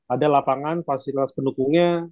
ada lapangan fasilitas pendukungnya